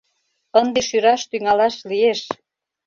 Ынде шӱраш тӱҥалаш лиеш.